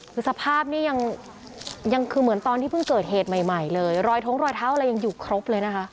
คือสภาพนี้ยังคือเหมือนตอนที่เพิ่งเกิดเหตุใหม่เลยรอยท้องรอยเท้าอะไรยังอยู่ครบเลยนะคะ